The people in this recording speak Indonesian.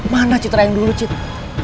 mana citra yang dulu citra